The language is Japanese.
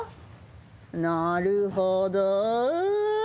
なるほど。